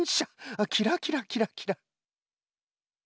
あっキラキラキラキラ。